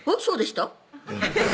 そうでした？